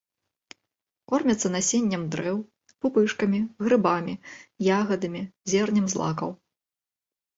Кормяцца насеннем дрэў, пупышкамі, грыбамі, ягадамі, зернем злакаў.